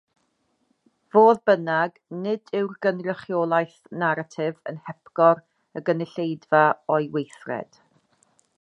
Fodd bynnag, nid yw'r gynrychiolaeth naratif yn hepgor y gynulleidfa o'i weithred.